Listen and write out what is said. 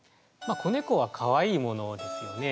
子猫はかわいいものですよね。